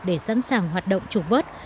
để sẵn sàng hoạt động trục vớt